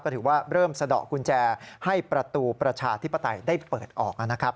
ถือว่าเริ่มสะดอกกุญแจให้ประตูประชาธิปไตยได้เปิดออกนะครับ